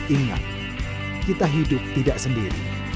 ingat kita hidup tidak sendiri